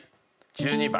１２番。